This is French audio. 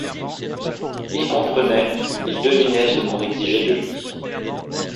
Il comprenait, il devinait ce qu’on exigeait de lui